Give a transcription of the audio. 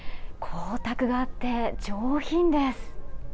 光沢があって上品です。